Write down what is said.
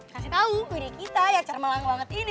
kasih tahu budi kita yang cermelang banget ini